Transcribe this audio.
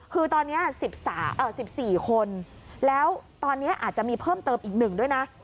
คือตอนนี้๑๔คนแล้วตอนนี้อาจจะมีเพิ่มเติมอีก๑ด้วยนะ